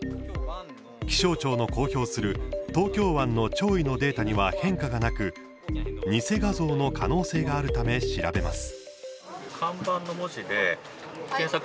気象庁の公表する東京湾の潮位のデータには変化がなく偽画像の可能性があるため調べます。